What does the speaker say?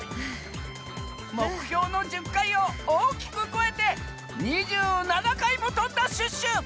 もくひょうの１０かいをおおきくこえて２７かいもとんだシュッシュ！